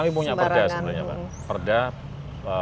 memang kami punya perda sebenarnya pak